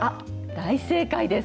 大正解です。